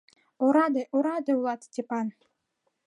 Ораде, ораде улат, Степан.